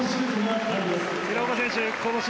平岡選手、この試合